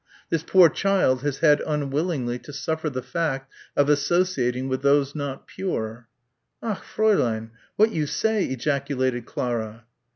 "This poor child has had unwillingly to suffer the fact of associating with those not pure." "Ach, Fräulein! What you say!" ejaculated Clara.